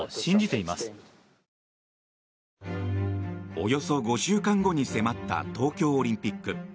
およそ５週間後に迫った東京オリンピック。